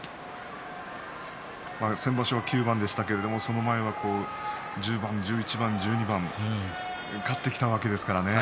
先場所は９番でしたけれどもその前は１０番、１１番、１２番勝ってきたわけですからね。